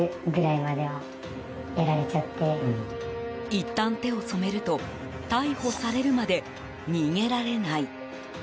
いったん手を染めると逮捕されるまで逃げられない。